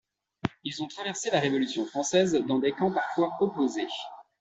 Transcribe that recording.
Ils ont traversé la Révolution Française dans des camps parfois opposés.